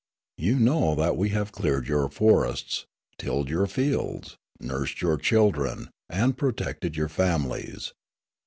You know that we have cleared your forests, tilled your fields, nursed your children, and protected your families.